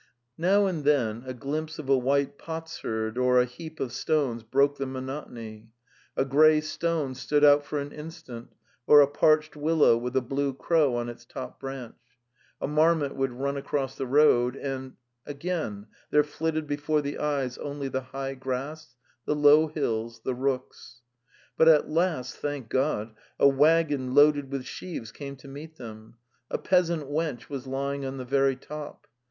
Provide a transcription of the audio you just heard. '\.))./\. Now and then a glimpse of a white potsherd or a heap of stones broke the monotony; a grey stone stood out for an instant or a parched willow with a blue crow on its top branch; a marmot would run across the road and — again there flitted before the eyes only the high grass, the low hills, the rooks... . But at last, thank God, a waggon loaded with sheaves came to meet them; a peasant wench was ly ing on the very top.